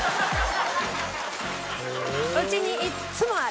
うちにいっつもある。